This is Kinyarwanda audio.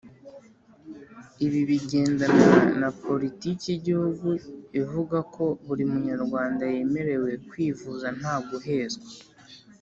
ibi bigendana na politike y’igihugu ivuga ko buri munyarwanda yemerewe kwivuza nta guhezwa.